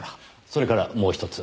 それからもう１つ。